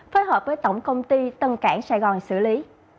phối hợp với tổng công ty tân cảng sài gòn xử lý